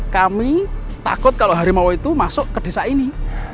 kami takut kalau harimau itu masuk ke desa ini